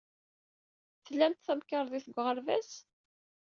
Tlamt tamkarḍit deg uɣerbaz?